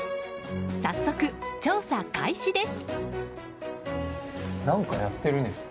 早速調査開始です。